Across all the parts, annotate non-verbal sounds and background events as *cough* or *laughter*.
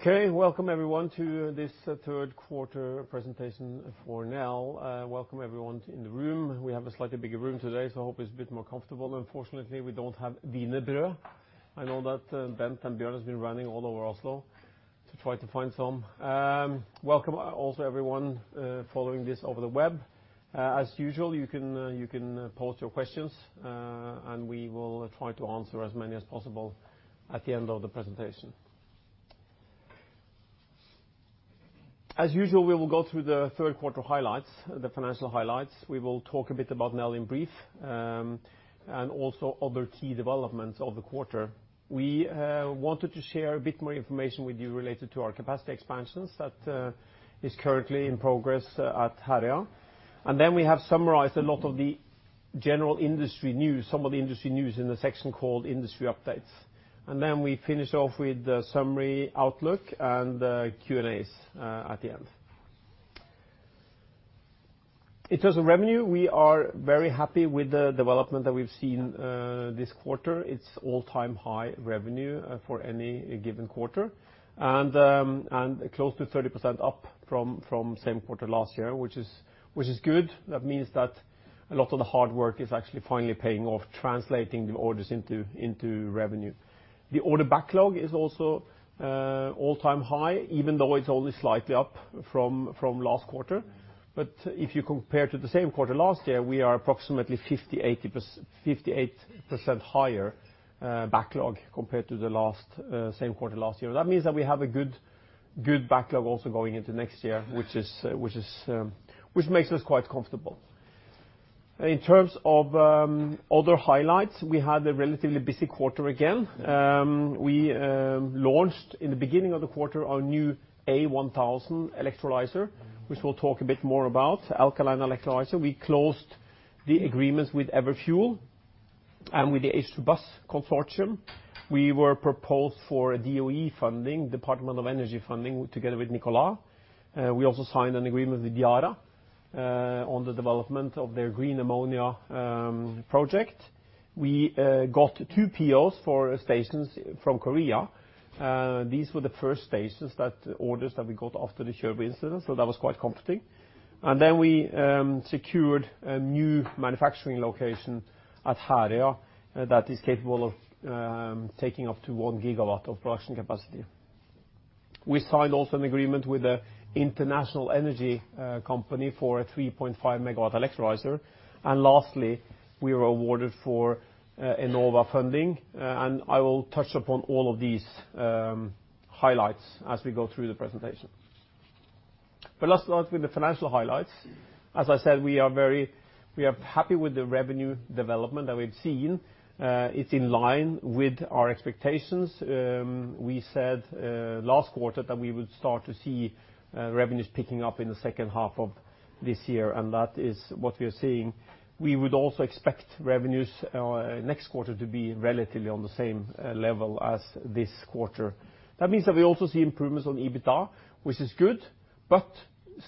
Welcome everyone to this third quarter presentation for Nel. Welcome everyone in the room. We have a slightly bigger room today, so I hope it's a bit more comfortable. Unfortunately, we don't have wienerbrød. I know that Bent and Bjørn has been running all over Oslo to try to find some. Welcome also everyone following this over the web. As usual, you can post your questions, and we will try to answer as many as possible at the end of the presentation. As usual, we will go through the third quarter highlights, the financial highlights. We will talk a bit about Nel in brief, and also other key developments of the quarter. We wanted to share a bit more information with you related to our capacity expansions that is currently in progress at Herøya. We have summarized a lot of the general industry news, some of the industry news in the section called industry updates. We finish off with the summary outlook and the Q&As at the end. In terms of revenue, we are very happy with the development that we've seen this quarter. It's all-time high revenue for any given quarter. Close to 30% up from same quarter last year, which is good. That means that a lot of the hard work is actually finally paying off, translating the orders into revenue. The order backlog is also all-time high, even though it's only slightly up from last quarter. If you compare to the same quarter last year, we are approximately 58% higher backlog compared to the same quarter last year. That means that we have a good backlog also going into next year, which makes us quite comfortable. In terms of other highlights, we had a relatively busy quarter again. We launched, in the beginning of the quarter, our new A1000 electrolyzer, which we'll talk a bit more about, alkaline electrolyzer. We closed the agreements with Everfuel and with the H2Bus consortium. We were proposed for DOE funding, Department of Energy funding, together with Nikola. We also signed an agreement with Yara on the development of their green ammonia project. We got two POs for stations from Korea. These were the first stations orders that we got after the *inaudible* incident, so that was quite comforting. We secured a new manufacturing location at Herøya that is capable of taking up to one gigawatt of production capacity. We signed an agreement with an international energy company for a 3.5 MW electrolyzer. Lastly, we were awarded for Enova funding. I will touch upon all of these highlights as we go through the presentation. Let's start with the financial highlights. As I said, we are happy with the revenue development that we've seen. It's in line with our expectations. We said last quarter that we would start to see revenues picking up in the second half of this year, and that is what we are seeing. We would also expect revenues next quarter to be relatively on the same level as this quarter. That means that we also see improvements on EBITDA, which is good, but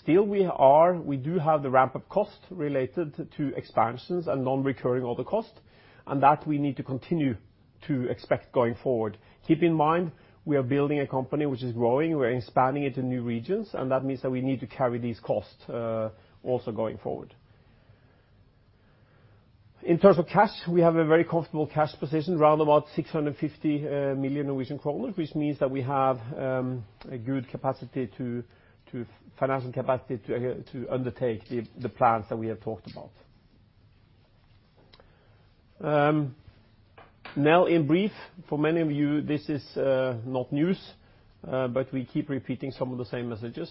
still we do have the ramp-up cost related to expansions and non-recurring order cost. That we need to continue to expect going forward. Keep in mind, we are building a company which is growing. We're expanding into new regions, and that means that we need to carry these costs, also going forward. In terms of cash, we have a very comfortable cash position, around about 650 million Norwegian kroner, which means that we have a good financing capacity to undertake the plans that we have talked about. Nel in brief. For many of you, this is not news, but we keep repeating some of the same messages,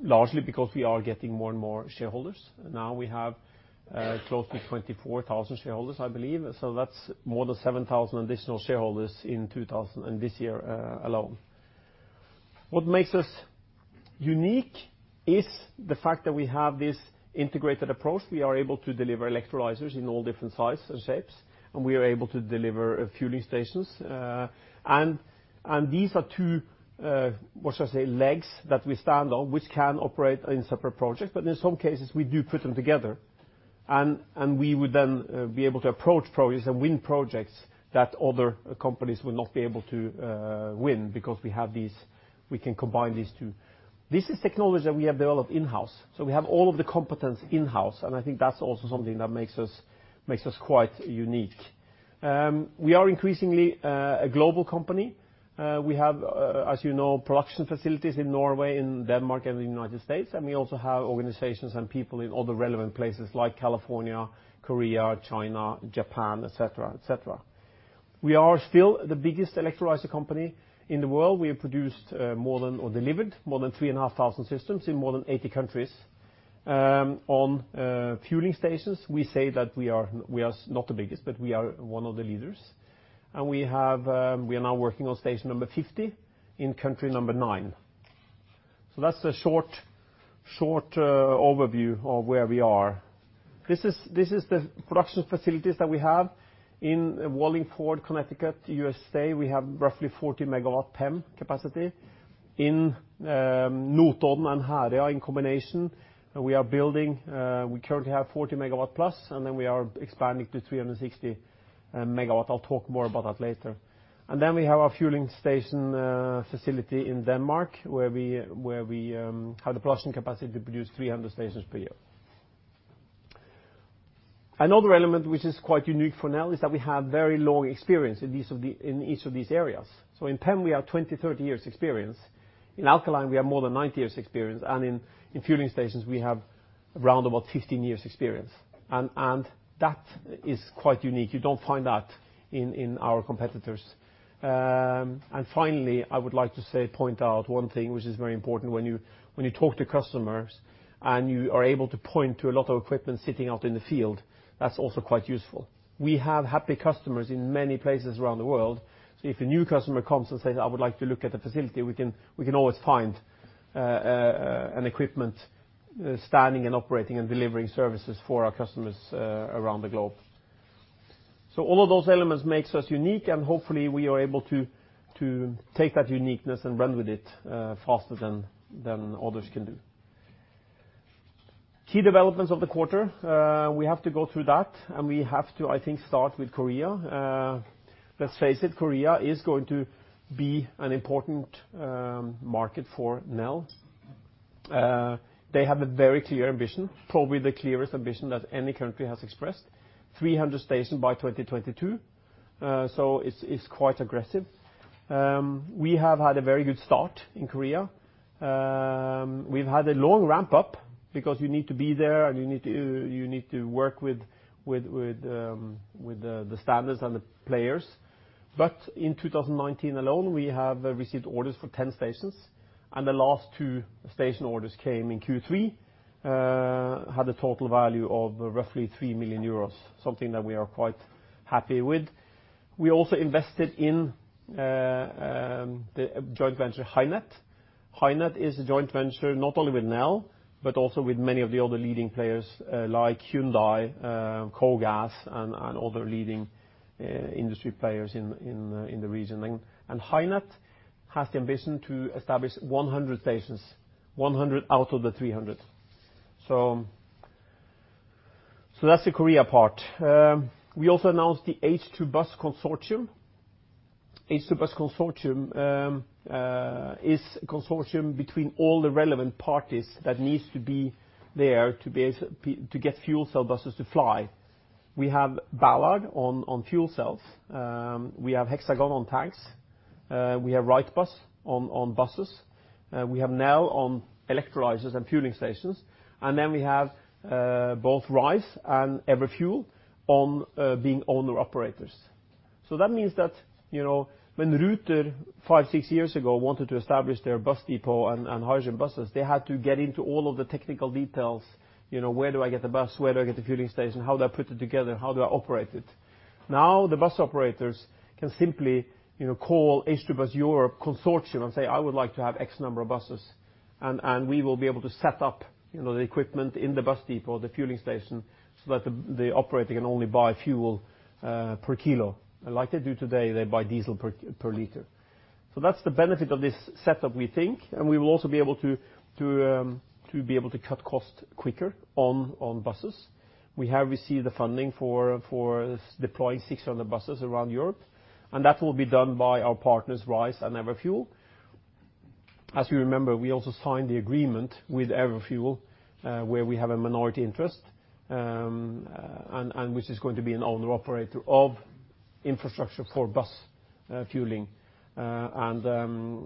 largely because we are getting more and more shareholders. Now we have close to 24,000 shareholders, I believe. That's more than 7,000 additional shareholders in this year alone. What makes us unique is the fact that we have this integrated approach. We are able to deliver electrolyzers in all different sizes and shapes, and we are able to deliver fueling stations. These are two, what should I say, legs that we stand on, which can operate in separate projects, but in some cases we do put them together. We would then be able to approach projects and win projects that other companies will not be able to win because we can combine these two. This is technology that we have developed in-house, so we have all of the competence in-house, and I think that's also something that makes us quite unique. We are increasingly a global company. We have, as you know, production facilities in Norway, in Denmark and the United States, and we also have organizations and people in other relevant places like California, Korea, China, Japan, et cetera. We are still the biggest electrolyzer company in the world. We have delivered more than 3,500 systems in more than 80 countries. Fueling stations, we say that we are not the biggest, but we are one of the leaders. We are now working on station number 50 in country number 9. That's a short overview of where we are. This is the production facilities that we have in Wallingford, Connecticut, U.S.A. We have roughly 40 MW PEM capacity. In Notodden and Herøya in combination, we are building, we currently have 40 MW plus, we are expanding to 360 MW. I'll talk more about that later. We have our fueling station facility in Denmark, where we have the production capacity to produce 300 stations per year. Another element which is quite unique for Nel is that we have very long experience in each of these areas. In PEM we have 20-30 years experience. In alkaline, we have more than 90 years experience, and in fueling stations, we have around about 15 years experience. That is quite unique. You don't find that in our competitors. Finally, I would like to point out one thing which is very important when you talk to customers and you are able to point to a lot of equipment sitting out in the field, that's also quite useful. We have happy customers in many places around the world. If a new customer comes and says, "I would like to look at the facility," we can always find an equipment standing and operating and delivering services for our customers around the globe. All of those elements makes us unique, and hopefully we are able to take that uniqueness and run with it faster than others can do. Key developments of the quarter, we have to go through that and we have to, I think, start with Korea. Let's face it, Korea is going to be an important market for Nel. They have a very clear ambition, probably the clearest ambition that any country has expressed, 300 stations by 2022. It's quite aggressive. We have had a very good start in Korea. We've had a long ramp-up because you need to be there and you need to work with the standards and the players. In 2019 alone, we have received orders for 10 stations, and the last two station orders came in Q3, had a total value of roughly 3 million euros, something that we are quite happy with. We also invested in the joint venture, HyNet. HyNet is a joint venture not only with Nel, but also with many of the other leading players like Hyundai, KOGAS, and other leading industry players in the region. HyNet has the ambition to establish 100 stations, 100 out of the 300. That's the Korea part. We also announced the H2Bus consortium. H2Bus consortium is a consortium between all the relevant parties that needs to be there to get fuel cell buses to fly. We have Ballard on fuel cells. We have Hexagon on tanks. We have Wrightbus on buses. We have Nel on electrolyzers and fueling stations. We have both Ryse and Everfuel on being owner operators. That means that when Ruter, five, six years ago wanted to establish their bus depot and hydrogen buses, they had to get into all of the technical details. Where do I get the bus? Where do I get the fueling station? How do I put it together? How do I operate it? Now, the bus operators can simply call H2Bus Europe consortium and say, "I would like to have X number of buses," and we will be able to set up the equipment in the bus depot, the fueling station, so that the operator can only buy fuel per kilo, like they do today, they buy diesel per liter. That's the benefit of this setup, we think, and we will also be able to cut costs quicker on buses. We have received the funding for deploying 600 buses around Europe, and that will be done by our partners, Ryse and Everfuel. As you remember, we also signed the agreement with Everfuel, where we have a minority interest, and which is going to be an owner operator of infrastructure for bus fueling. We also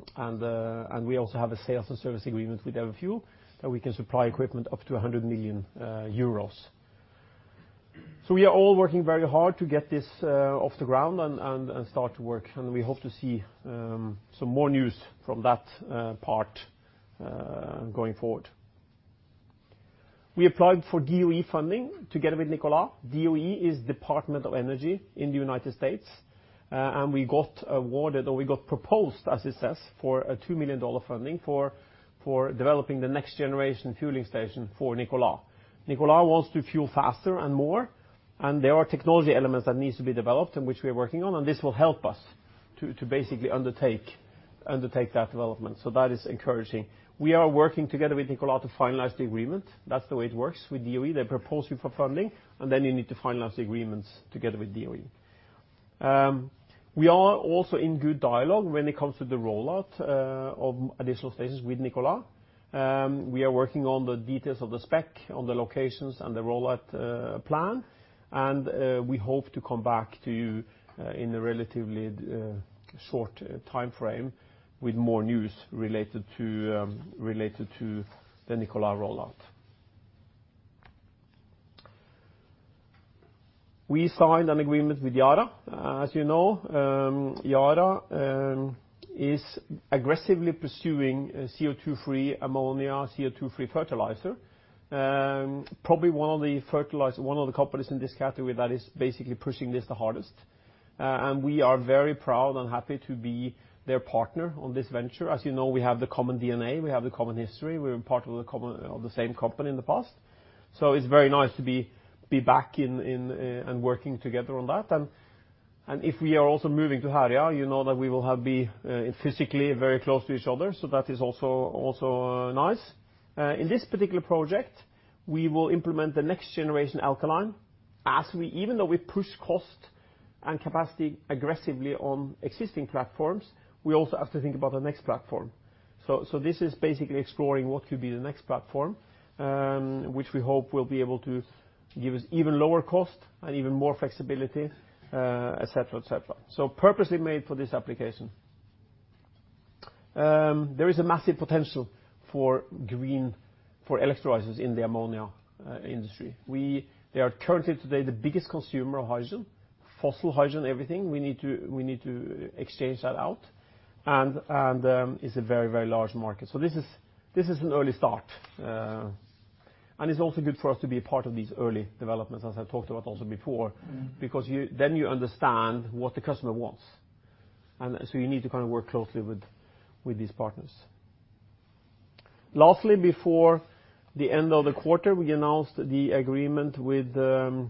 have a sales and service agreement with Everfuel that we can supply equipment up to 100 million euros. We are all working very hard to get this off the ground and start to work, and we hope to see some more news from that part going forward. We applied for DOE funding together with Nikola. DOE is Department of Energy in the U.S. We got awarded, or we got proposed, as it says, for a $2 million funding for developing the next generation fueling station for Nikola. Nikola wants to fuel faster and more, and there are technology elements that needs to be developed and which we are working on, and this will help us to basically undertake that development. That is encouraging. We are working together with Nikola to finalize the agreement. That's the way it works with DOE. They propose you for funding, and then you need to finalize the agreements together with DOE. We are also in good dialogue when it comes to the rollout of additional stations with Nikola. We are working on the details of the spec, on the locations, and the rollout plan. We hope to come back to you in a relatively short time frame with more news related to the Nikola rollout. We signed an agreement with Yara. As you know, Yara is aggressively pursuing CO2-free ammonia, CO2-free fertilizer, probably one of the companies in this category that is basically pushing this the hardest. We are very proud and happy to be their partner on this venture. As you know, we have the common DNA, we have the common history. We were part of the same company in the past. It's very nice to be back and working together on that. If we are also moving to Herøya, you know that we will be physically very close to each other, so that is also nice. In this particular project, we will implement the next generation alkaline. Even though we push cost and capacity aggressively on existing platforms, we also have to think about the next platform. This is basically exploring what could be the next platform, which we hope will be able to give us even lower cost and even more flexibility, et cetera. Purposely made for this application. There is a massive potential for green, for electrolyzers in the ammonia industry. They are currently today the biggest consumer of hydrogen, fossil hydrogen, everything. We need to exchange that out, and it's a very large market. This is an early start. It's also good for us to be a part of these early developments, as I've talked about also before, because you understand what the customer wants. You need to work closely with these partners. Lastly, before the end of the quarter, we announced the agreement with a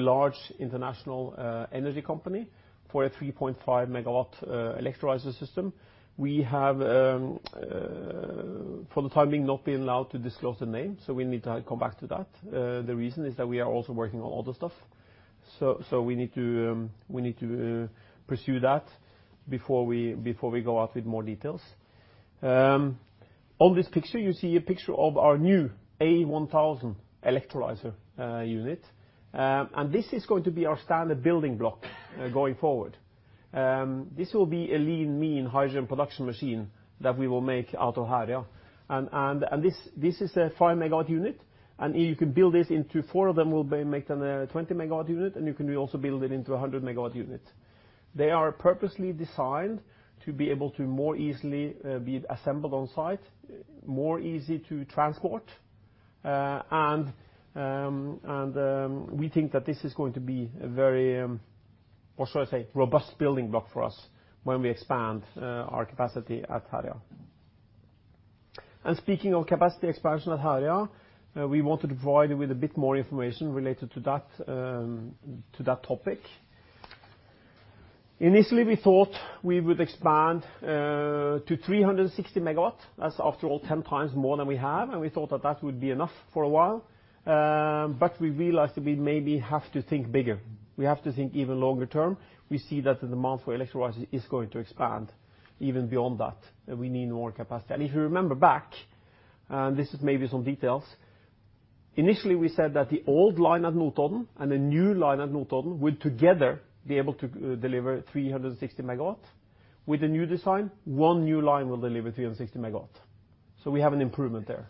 large international energy company for a 3.5 megawatt electrolyzer system. We have, for the time being, not been allowed to disclose the name, so we need to come back to that. The reason is that we are also working on other stuff. We need to pursue that before we go out with more details. On this picture, you see a picture of our new A1000 electrolyzer unit. This is going to be our standard building block going forward. This will be a lean mean hydrogen production machine that we will make out of Herøya. This is a 5 MW unit, and you could build this into four of them, will make them a 20 MW unit, and you can also build it into a 100 MW unit. They are purposely designed to be able to more easily be assembled on site, more easy to transport. We think that this is going to be a very, or shall I say, robust building block for us when we expand our capacity at Herøya. Speaking of capacity expansion at Herøya, we want to provide you with a bit more information related to that topic. Initially, we thought we would expand to 360 MW. That's after all, 10 times more than we have, we thought that that would be enough for a while. We realized that we maybe have to think bigger. We have to think even longer term. We see that the demand for electrolyzers is going to expand even beyond that, and we need more capacity. If you remember back, and this is maybe some details, initially, we said that the old line at Notodden and the new line at Notodden would together be able to deliver 360 megawatts. With the new design, one new line will deliver 360 megawatts. We have an improvement there.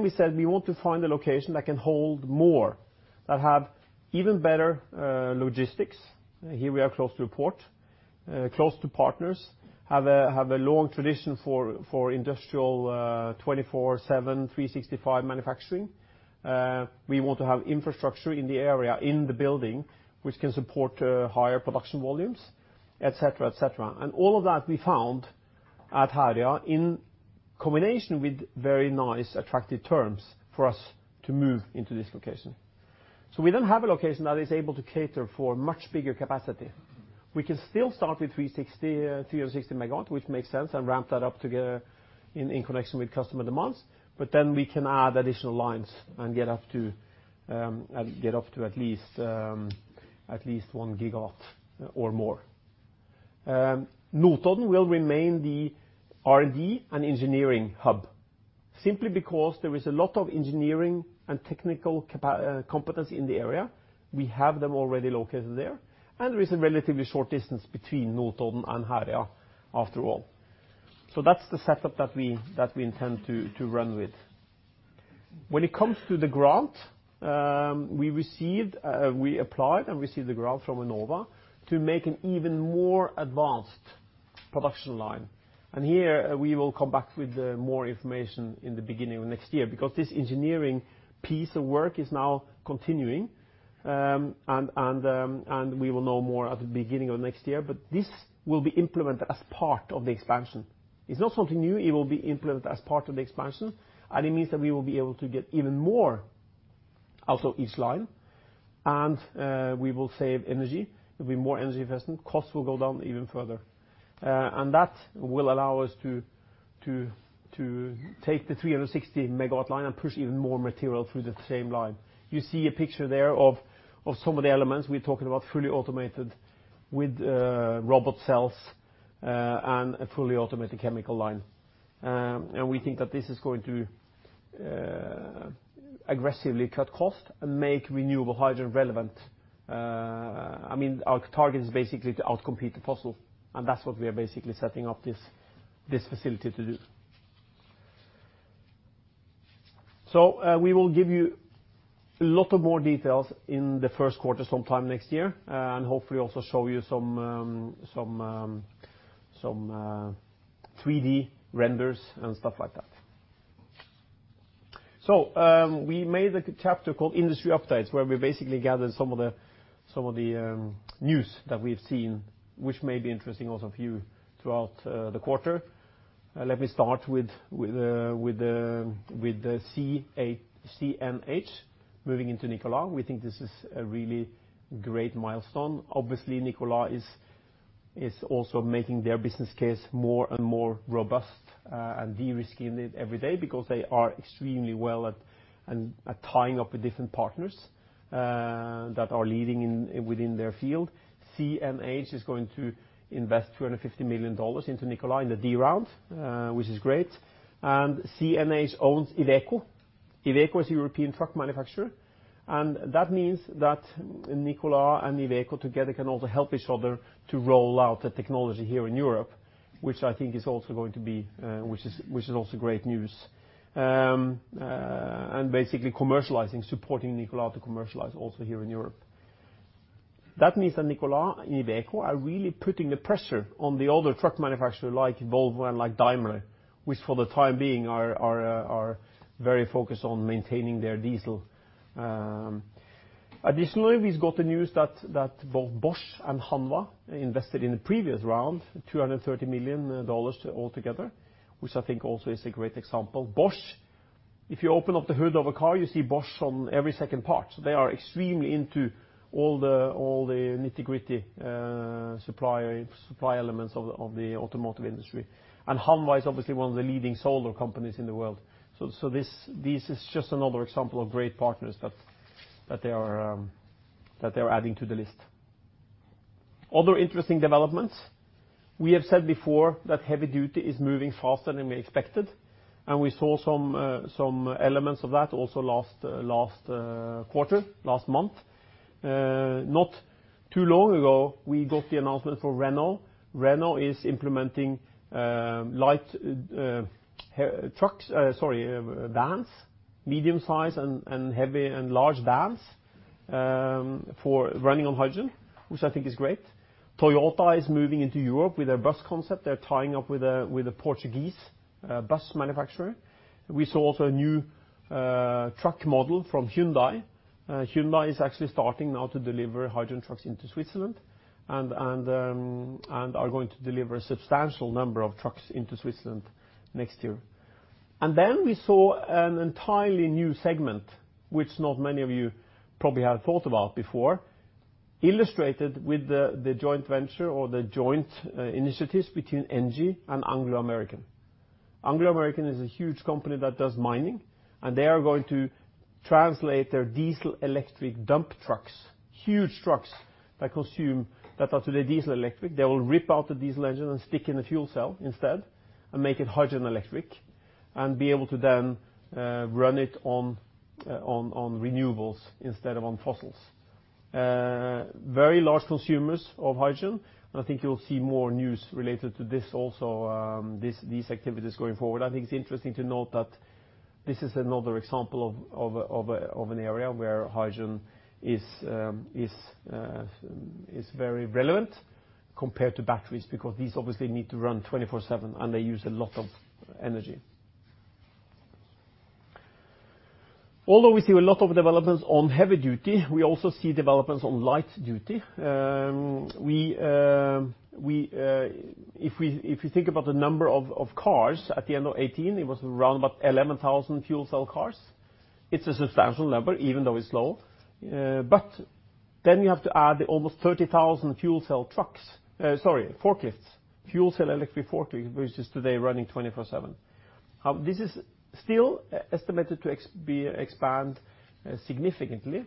We said we want to find a location that can hold more, that have even better logistics. Here we are close to a port, close to partners, have a long tradition for industrial 24/7, 365 manufacturing. We want to have infrastructure in the area, in the building, which can support higher production volumes, et cetera. All of that we found at Herøya in combination with very nice, attractive terms for us to move into this location. We now have a location that is able to cater for much bigger capacity. We can still start with 360 MW, which makes sense, and ramp that up in connection with customer demands, but then we can add additional lines and get up to at least 1 GW or more. Notodden will remain the R&D and engineering hub, simply because there is a lot of engineering and technical competency in the area. We have them already located there. There is a relatively short distance between Notodden and Herøya after all. That's the setup that we intend to run with. When it comes to the grant, we applied and received the grant from Enova to make an even more advanced production line. Here, we will come back with more information in the beginning of next year because this engineering piece of work is now continuing. We will know more at the beginning of next year, but this will be implemented as part of the expansion. It's not something new. It will be implemented as part of the expansion, and it means that we will be able to get even more out of each line and we will save energy. It'll be more energy efficient. Costs will go down even further. That will allow us to take the 360 MW line and push even more material through the same line. You see a picture there of some of the elements. We're talking about fully automated with robot cells, a fully automated chemical line. We think that this is going to aggressively cut cost and make renewable hydrogen relevant. Our target is basically to out-compete the fossil, and that's what we are basically setting up this facility to do. We will give you a lot of more details in the first quarter sometime next year, and hopefully also show you some 3D renders and stuff like that. We made a chapter called Industry Updates, where we basically gathered some of the news that we've seen, which may be interesting also for you throughout the quarter. Let me start with CNH moving into Nikola. We think this is a really great milestone. Obviously, Nikola is also making their business case more and more robust and de-risking it every day because they are extremely well at tying up with different partners that are leading within their field. CNH is going to invest $250 million into Nikola in the D round, which is great. CNH owns Iveco. Iveco is a European truck manufacturer. That means that Nikola and Iveco together can also help each other to roll out the technology here in Europe, which is also great news. Basically commercializing, supporting Nikola to commercialize also here in Europe. That means that Nikola and Iveco are really putting the pressure on the older truck manufacturer like Volvo and like Daimler, which for the time being are very focused on maintaining their diesel. Additionally, we've got the news that both Bosch and Hanwha invested in the previous round, $230 million altogether, which I think also is a great example. Bosch, if you open up the hood of a car, you see Bosch on every second part. They are extremely into all the nitty-gritty supply elements of the automotive industry. Hanwha is obviously one of the leading solar companies in the world. This is just another example of great partners that they are adding to the list. Other interesting developments, we have said before that heavy duty is moving faster than we expected, and we saw some elements of that also last quarter, last month. Not too long ago, we got the announcement for Renault. Renault is implementing light trucks, sorry, vans, medium-size and heavy and large vans, for running on hydrogen, which I think is great. Toyota is moving into Europe with their bus concept. They're tying up with a Portuguese bus manufacturer. We saw also a new truck model from Hyundai. Hyundai is actually starting now to deliver hydrogen trucks into Switzerland and are going to deliver a substantial number of trucks into Switzerland next year. Then we saw an entirely new segment, which not many of you probably have thought about before, illustrated with the joint venture or the joint initiatives between ENGIE and Anglo American. Anglo American is a huge company that does mining, and they are going to translate their diesel-electric dump trucks, huge trucks that are diesel electric, they will rip out the diesel engine and stick in the fuel cell instead and make it hydrogen electric and be able to then run it on renewables instead of on fossils. Very large consumers of hydrogen, and I think you'll see more news related to this also, these activities going forward. I think it's interesting to note that this is another example of an area where hydrogen is very relevant compared to batteries, because these obviously need to run 24/7, and they use a lot of energy. Although we see a lot of developments on heavy duty, we also see developments on light duty. If you think about the number of cars at the end of 2018, it was around about 11,000 fuel cell cars. It's a substantial number, even though it's low. You have to add the almost 30,000 fuel cell trucks, sorry, forklifts, fuel cell electric forklifts, which is today running 24/7. This is still estimated to expand significantly.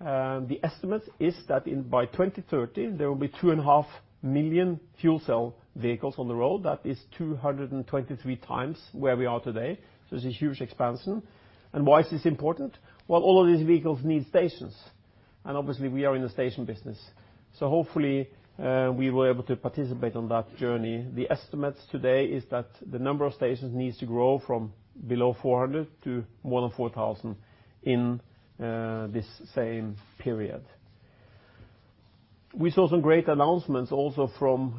The estimate is that by 2030, there will be 2.5 million fuel cell vehicles on the road. That is 223 times where we are today. It's a huge expansion. Why is this important? Well, all of these vehicles need stations, and obviously, we are in the station business. Hopefully, we will be able to participate on that journey. The estimates today is that the number of stations needs to grow from below 400 to more than 4,000 in this same period. We saw some great announcements also from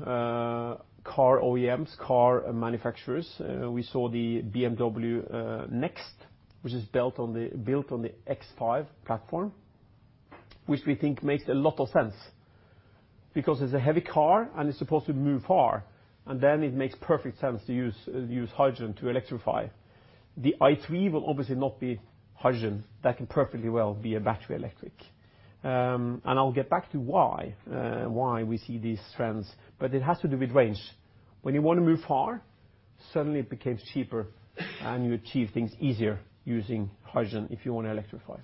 car OEMs, car manufacturers. We saw the BMW Next, which is built on the X5 platform, which we think makes a lot of sense because it's a heavy car and it's supposed to move far, and then it makes perfect sense to use hydrogen to electrify. The i3 will obviously not be hydrogen. That can perfectly well be a battery electric. I'll get back to why we see these trends, but it has to do with range. When you want to move far, suddenly it becomes cheaper and you achieve things easier using hydrogen if you want to electrify.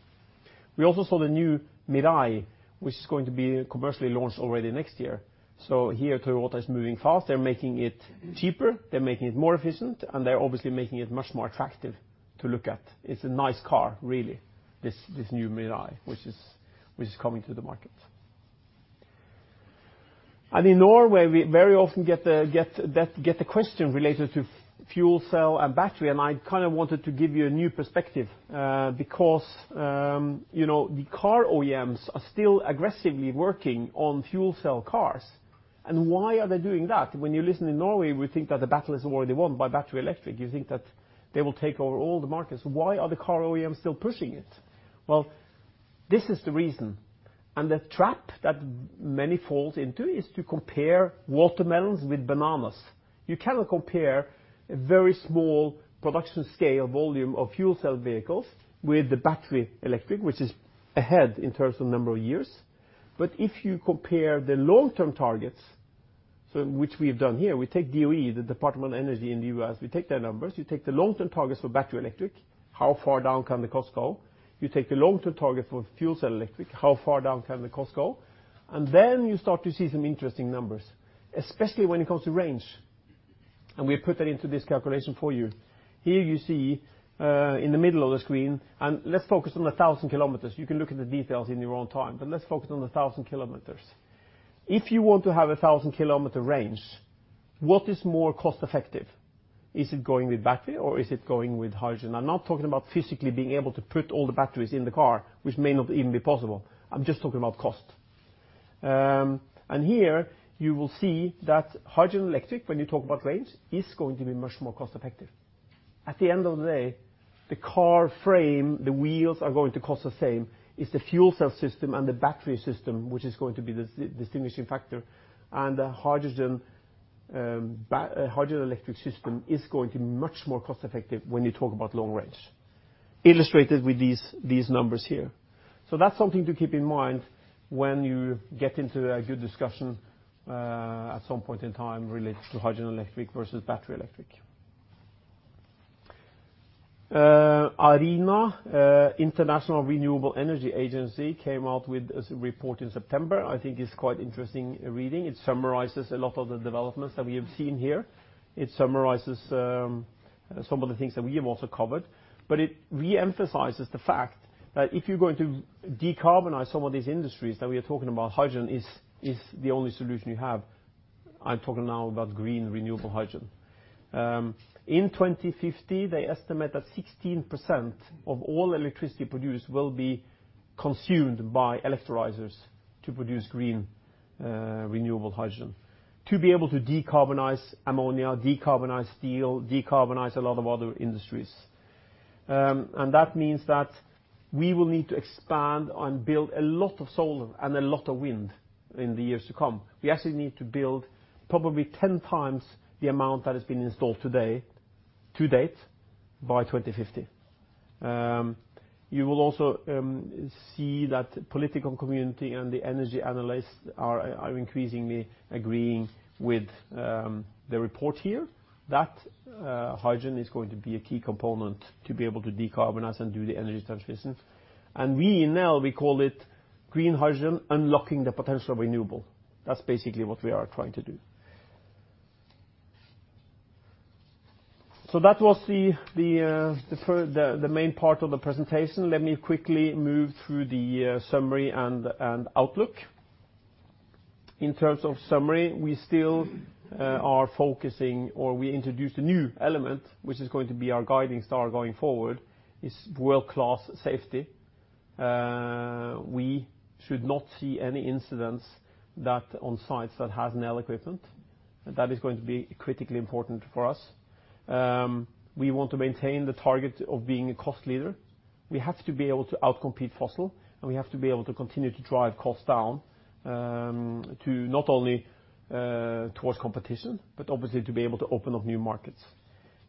We also saw the new Mirai, which is going to be commercially launched already next year. Here, Toyota is moving fast. They're making it cheaper, they're making it more efficient, and they're obviously making it much more attractive to look at. It's a nice car, really, this new Mirai, which is coming to the market. In Norway, we very often get the question related to fuel cell and battery, I kind of wanted to give you a new perspective because the car OEMs are still aggressively working on fuel cell cars, and why are they doing that? When you listen in Norway, we think that the battle is already won by battery electric. You think that they will take over all the markets. Why are the car OEMs still pushing it? This is the reason, and the trap that many fall into is to compare watermelons with bananas. You cannot compare a very small production scale volume of fuel cell vehicles with the battery electric, which is ahead in terms of number of years. If you compare the long-term targets, which we have done here, we take DOE, the Department of Energy in the U.S., we take their numbers, you take the long-term targets for battery electric, how far down can the cost go? You take the long-term target for fuel cell electric, how far down can the cost go? You start to see some interesting numbers, especially when it comes to range. We put that into this calculation for you. Here you see, in the middle of the screen, let's focus on 1,000 kilometers. You can look at the details in your own time, let's focus on 1,000 kilometers. If you want to have 1,000-kilometer range, what is more cost effective? Is it going with battery or is it going with hydrogen? I'm not talking about physically being able to put all the batteries in the car, which may not even be possible. I'm just talking about cost. Here you will see that hydrogen electric, when you talk about range, is going to be much more cost effective. At the end of the day, the car frame, the wheels are going to cost the same. It's the fuel cell system and the battery system which is going to be the distinguishing factor, and the hydrogen electric system is going to be much more cost effective when you talk about long range, illustrated with these numbers here. That's something to keep in mind when you get into a good discussion at some point in time related to hydrogen electric versus battery electric. IRENA, International Renewable Energy Agency, came out with a report in September, I think it's quite interesting reading. It summarizes a lot of the developments that we have seen here. It summarizes some of the things that we have also covered. It re-emphasizes the fact that if you're going to decarbonize some of these industries that we are talking about, hydrogen is the only solution you have. I'm talking now about green renewable hydrogen. In 2050, they estimate that 16% of all electricity produced will be consumed by electrolyzers to produce green renewable hydrogen, to be able to decarbonize ammonia, decarbonize steel, decarbonize a lot of other industries. That means that we will need to expand and build a lot of solar and a lot of wind in the years to come. We actually need to build probably 10 times the amount that has been installed today, to date, by 2050. You will also see that political community and the energy analysts are increasingly agreeing with the report here, that hydrogen is going to be a key component to be able to decarbonize and do the energy transition. We, Nel, we call it green hydrogen, unlocking the potential of renewable. That's basically what we are trying to do. That was the main part of the presentation. Let me quickly move through the summary and outlook. In terms of summary, we still are focusing or we introduced a new element, which is going to be our guiding star going forward, is world-class safety. We should not see any incidents on sites that has Nel equipment, and that is going to be critically important for us. We want to maintain the target of being a cost leader. We have to be able to out-compete fossil, and we have to be able to continue to drive costs down, to not only towards competition, but obviously to be able to open up new markets.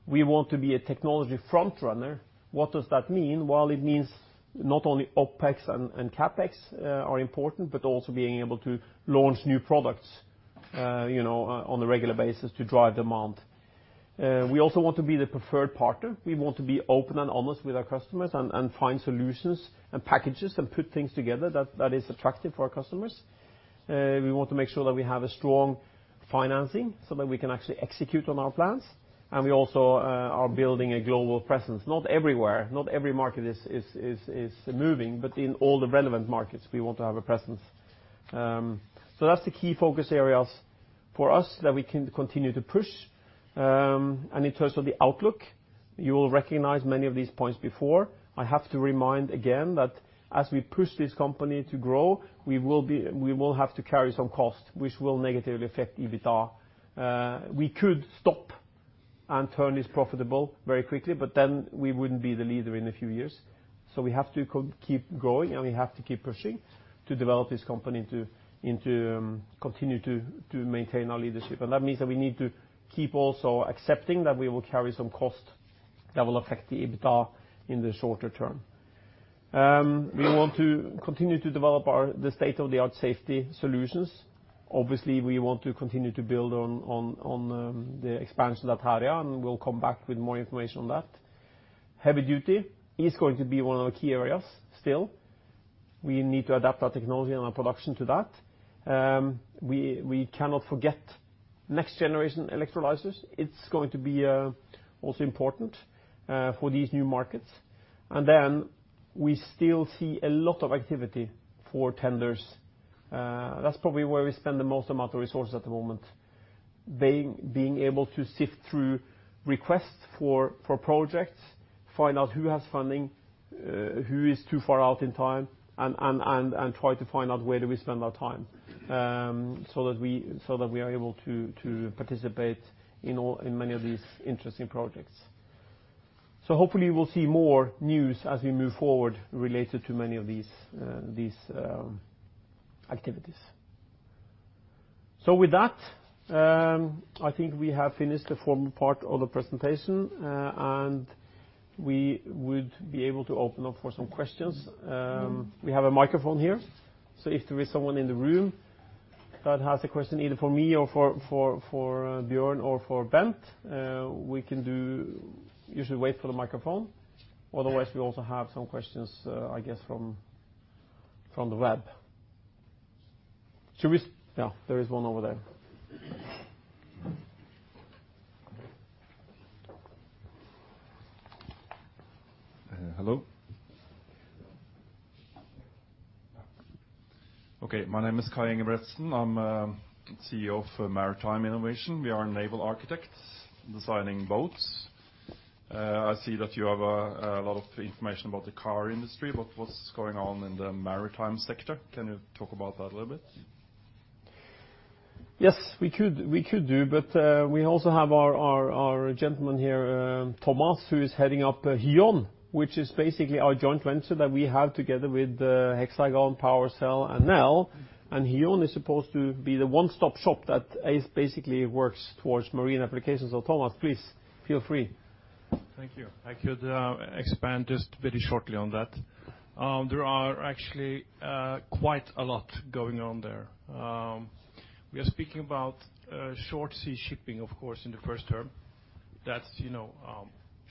We want to be a technology front-runner. What does that mean? Well, it means not only OpEx and CapEx are important, but also being able to launch new products on a regular basis to drive demand. We also want to be the preferred partner. We want to be open and honest with our customers and find solutions and packages and put things together that is attractive for our customers. We want to make sure that we have a strong financing so that we can actually execute on our plans. We also are building a global presence, not everywhere, not every market is moving, but in all the relevant markets, we want to have a presence. That's the key focus areas for us that we can continue to push. In terms of the outlook, you will recognize many of these points before. I have to remind again, that as we push this company to grow, we will have to carry some cost, which will negatively affect EBITDA. We could stop and turn this profitable very quickly, but then we wouldn't be the leader in a few years. We have to keep going, and we have to keep pushing to develop this company to continue to maintain our leadership. That means that we need to keep also accepting that we will carry some cost that will affect the EBITDA in the shorter term. We want to continue to develop the state-of-the-art safety solutions. Obviously, we want to continue to build on the expansion to that area, and we'll come back with more information on that. Heavy duty is going to be one of the key areas still. We need to adapt our technology and our production to that. We cannot forget next generation electrolyzers. It's going to be also important for these new markets. We still see a lot of activity for tenders. That's probably where we spend the most amount of resources at the moment. Being able to sift through requests for projects, find out who has funding, who is too far out in time, and try to find out where do we spend our time, so that we are able to participate in many of these interesting projects. Hopefully we'll see more news as we move forward related to many of these activities. With that, I think we have finished the formal part of the presentation, and we would be able to open up for some questions. We have a microphone here, so if there is someone in the room that has a question, either for me or for Bjørn or for Bent, you should wait for the microphone. Otherwise, we also have some questions, I guess, from the web. Should we? Yeah, there is one over there. Hello? Okay, my name is Kai Engebretsen. I'm CEO of Maritime Innovation. We are naval architects designing boats. I see that you have a lot of information about the car industry, but what's going on in the maritime sector? Can you talk about that a little bit? Yes, we could do. We also have our gentleman here, Thomas, who is heading up Hyon, which is basically our joint venture that we have together with Hexagon, PowerCell and Nel. Hyon is supposed to be the one-stop shop that basically works towards marine applications. Thomas, please, feel free. Thank you. I could expand just very shortly on that. There are actually quite a lot going on there. We are speaking about short sea shipping, of course, in the first term. That's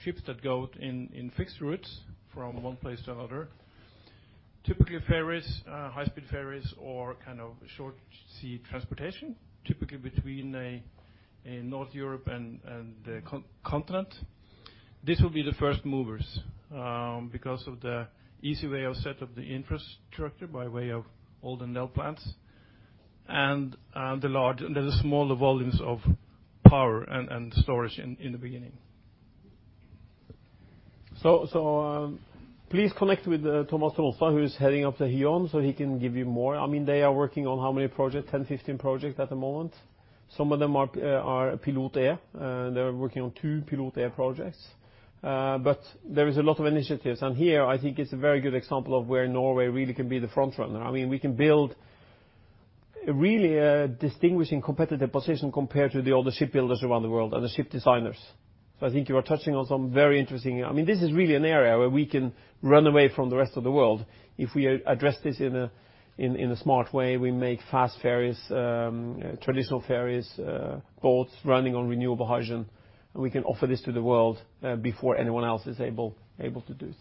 ships that go in fixed routes from one place to another. Typically, ferries, high-speed ferries, or short sea transportation, typically between North Europe and the continent. This will be the first movers because of the easy way of set up the infrastructure by way of all the Nel plants and the smaller volumes of power and storage in the beginning. Please connect with Thomas Tollefsen, who is heading up the Hyon, so he can give you more. They are working on how many projects? 10, 15 projects at the moment. Some of them are PILOT-E. They are working on two PILOT-E projects. There is a lot of initiatives, and here I think it is a very good example of where Norway really can be the front runner. We can build really a distinguishing competitive position compared to the other ship builders around the world and the ship designers. I think you are touching on some very interesting. This is really an area where we can run away from the rest of the world if we address this in a smart way. We make fast ferries, traditional ferries, boats running on renewable hydrogen, and we can offer this to the world before anyone else is able to do it.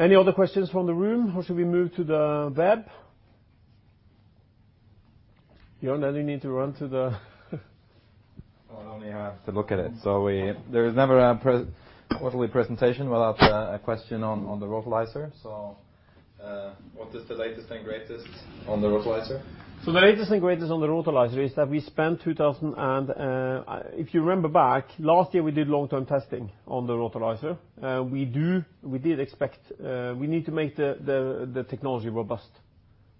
Any other questions from the room, or should we move to the web? Bjørn, then you need to run to the I only have to look at it. There is never a total presentation without a question on the RotoLyzer. What is the latest and greatest on the RotoLyzer? The latest and greatest on the RotoLyzer is that, if you remember back, last year, we did long-term testing on the RotoLyzer. We need to make the technology robust.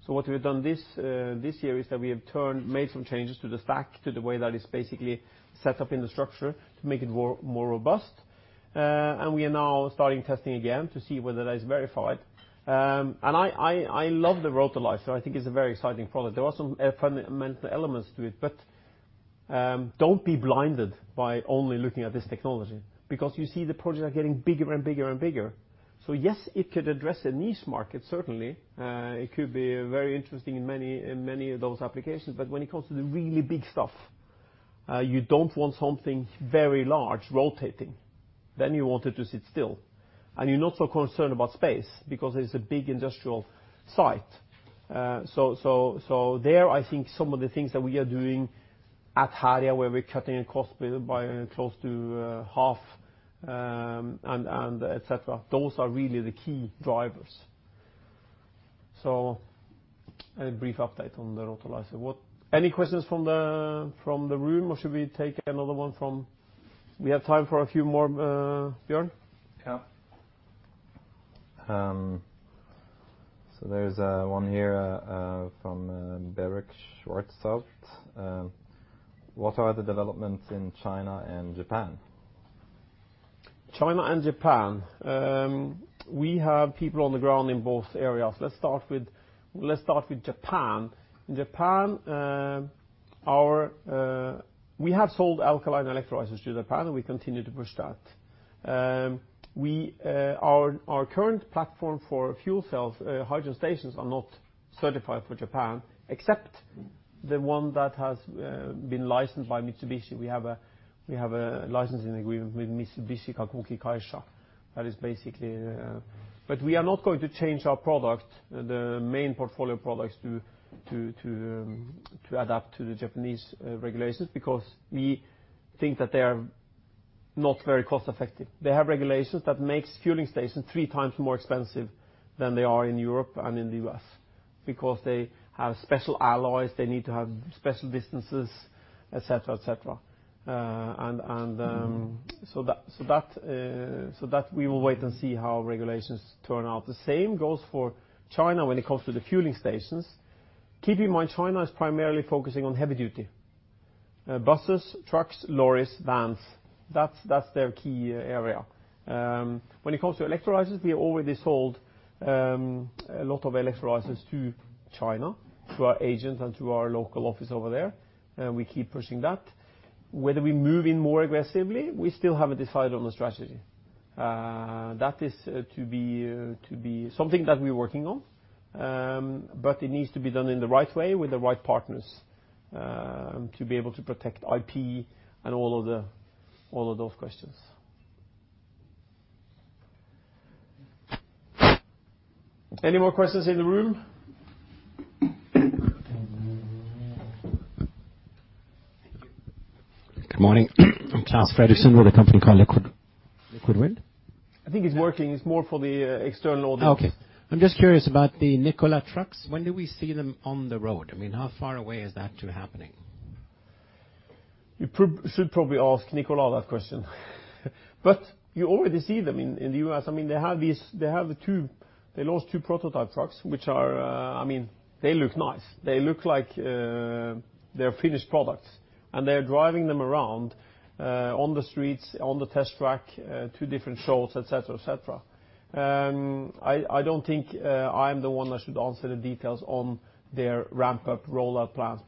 What we've done this year is that we have made some changes to the stack, to the way that it's basically set up in the structure to make it more robust. We are now starting testing again to see whether that is verified. I love the RotoLyzer. I think it's a very exciting product. There are some fundamental elements to it, but don't be blinded by only looking at this technology because you see the projects are getting bigger and bigger. Yes, it could address a niche market, certainly. It could be very interesting in many of those applications. When it comes to the really big stuff, you don't want something very large rotating, you want it to sit still. You're not so concerned about space because it's a big industrial site. There, I think some of the things that we are doing at Herøya, where we're cutting costs by close to half, et cetera, those are really the key drivers. A brief update on the RotoLyzer. Any questions from the room, or should we take another one from We have time for a few more, Bjørn? Yeah. There's one here from Beric Schwarzhaupt. What are the developments in China and Japan? China and Japan. We have people on the ground in both areas. Let's start with Japan. Japan, we have sold alkaline electrolyzers to Japan, and we continue to push that. Our current platform for fuel cell hydrogen stations are not certified for Japan, except the one that has been licensed by Mitsubishi. We have a licensing agreement with Mitsubishi Heavy Industries. We are not going to change our product, the main portfolio products, to adapt to the Japanese regulations because we think that they are not very cost-effective. They have regulations that makes fueling stations three times more expensive than they are in Europe and in the U.S. because they have special alloys, they need to have special distances, et cetera. That, we will wait and see how regulations turn out. The same goes for China when it comes to the fueling stations. Keep in mind, China is primarily focusing on heavy duty. Buses, trucks, lorries, vans, that's their key area. When it comes to electrolyzers, we already sold a lot of electrolyzers to China, through our agent and through our local office over there, and we keep pushing that. Whether we move in more aggressively, we still haven't decided on the strategy. That is to be something that we're working on. It needs to be done in the right way with the right partners, to be able to protect IP and all of those questions. Any more questions in the room? Thank you. Good morning. I'm Claes Fredriksson, with a company called Liquid Wind. I think it's working. It's more for the external audience. Okay. I'm just curious about the Nikola trucks. When do we see them on the road? How far away is that to happening? You should probably ask Nikola that question. You already see them in the U.S. They launched two prototype trucks, which look nice. They look like they're finished products. They're driving them around, on the streets, on the test track, to different shows, et cetera. I don't think I'm the one that should answer the details on their ramp-up rollout plans.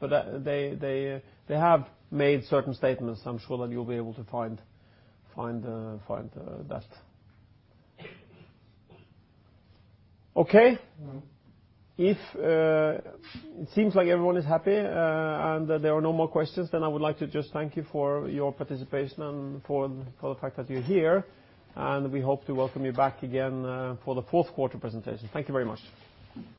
They have made certain statements, I'm sure that you'll be able to find that. Okay. It seems like everyone is happy, and that there are no more questions, I would like to just thank you for your participation and for the fact that you're here, and we hope to welcome you back again, for the fourth-quarter presentation. Thank you very much.